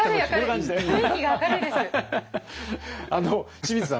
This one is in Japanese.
清水さん